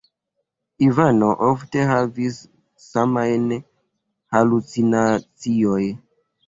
Ivano ofte havis samajn halucinaciojn.